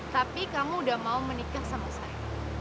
tapi kamu udah mau menikah sama saya